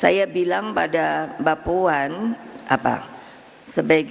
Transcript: saya bilang pada mbak puan apa